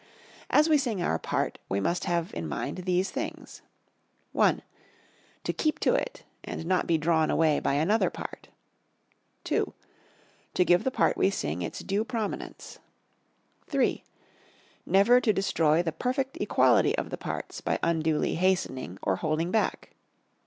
As we sing our part we must have in mind these things: I. To keep to it and not be drawn away by another part. II. To give the part we sing its due prominence. III. Never to destroy the perfect equality of the parts by unduly hastening or holding back.